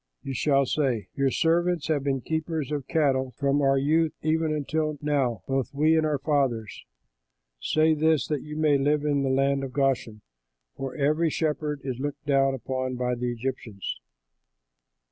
you shall say, 'Your servants have been keepers of cattle from our youth even until now, both we and our fathers.' Say this that you may live in the land of Goshen, for every shepherd is looked down upon by the Egyptians."